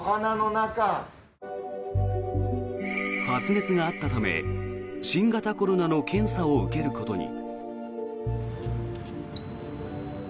発熱があったため新型コロナの検査を受けることに。